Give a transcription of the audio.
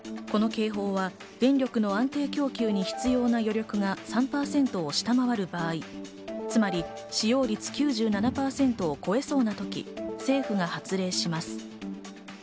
この警報は電力の安定供給に必要な余力が３％を下回る場合、つまり使用率９７％を超えそうな時、政府が発令します。